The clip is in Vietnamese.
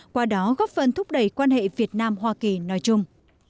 qua đó góp phần thúc đẩy quan hệ việt nam hoa kỳ nói chung